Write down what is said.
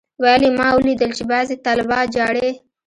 ويل يې ما اوليدل چې بعضي طلبا جاړي.